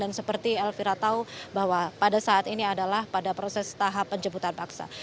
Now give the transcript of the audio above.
dan seperti elvira tahu bahwa pada saat ini adalah pada proses tahap penjemputan paksa